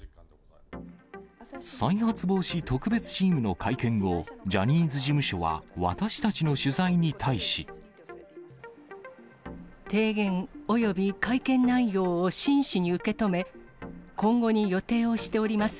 再発防止特別チームの会見後、ジャニーズ事務所は私たちの取材に対し。提言および会見内容を真摯に受け止め、今後に予定をしております